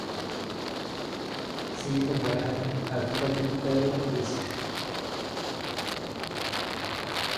See the for an alphabetical list.